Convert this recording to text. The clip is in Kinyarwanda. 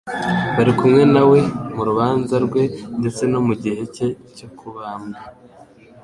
bari kumwe na we mu rubanza rwe ndetse no mu gihe cye cyo kubambwa